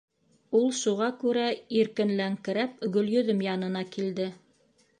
Ул шуға күрә, иркенләңкерәп, Гөлйөҙөм янына килде.